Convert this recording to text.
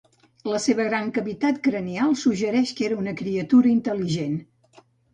La seva gran cavitat cranial suggereix que era una criatura intel·ligent.